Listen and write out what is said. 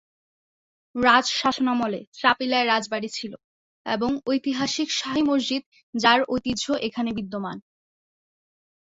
রাজ শাসনামলে চাপিলায় রাজবাড়ী ছিল এবং ঐতিহাসিক শাহী মসজিদ যার ঐতিহ্য এখানে বিদ্যমান।